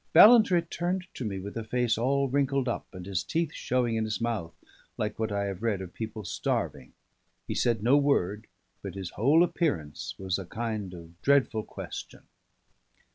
Ballantrae turned to me with a face all wrinkled up, and his teeth showing in his mouth, like what I have read of people starving; he said no word, but his whole appearance was a kind of dreadful question.